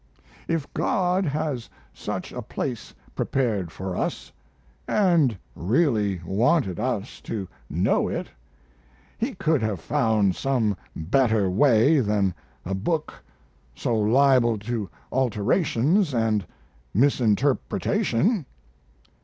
If God has such a place prepared for us, and really wanted us to know it, He could have found some better way than a book so liable to alterations and misinterpretation.